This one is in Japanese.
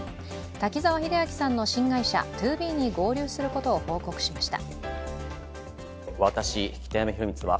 滝沢秀明さんの新会社、ＴＯＢＥに合流することを報告しました。